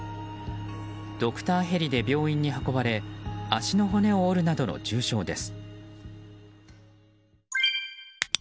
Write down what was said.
ドクターヘリで病院に運ばれ足の骨を折るなどの重傷です。